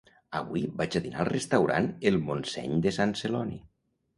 Avui vaig a dinar al restaurant el Montseny de Sant Celoni